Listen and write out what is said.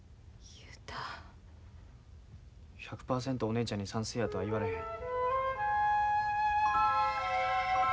１００％お姉ちゃんに賛成やとは言われへん。